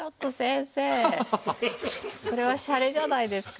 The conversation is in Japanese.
それはシャレじゃないですか。